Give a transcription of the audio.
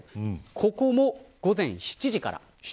ここも午前７時から。